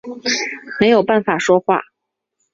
没有办法说话